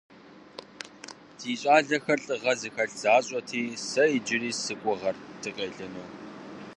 Си щӏалэхэр лӀыгъэ зыхэлъ защӀэти, сэ иджыри сыгугъэрт дыкъелыну.